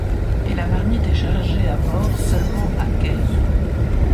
Et la marmite est chargée à bord seulement à Kehl.